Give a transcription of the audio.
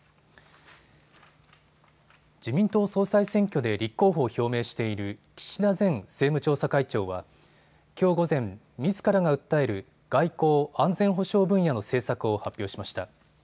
自民党総裁選挙で立候補を表明している岸田前政務調査会長はきょう午前、みずからが訴える外交・安全保障分野の政策を発表しました。